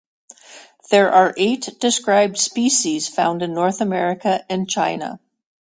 There are eight described species found in North America and China.